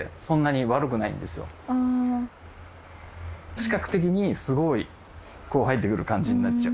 視覚的にすごいこう入ってくる感じになっちゃう。